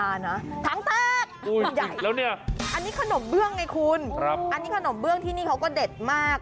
อันนี้ขนมเบื้องไงคุณครับอันนี้ขนมเบื้องที่นี่เขาก็เด็ดมาก